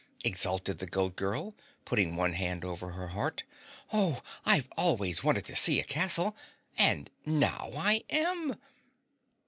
exulted the Goat Girl, putting one hand above her heart. "Oh! I've always wanted to see a castle and now I AM."